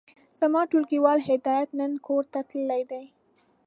زما ټولګيوال هدايت نن کورته تللی دی.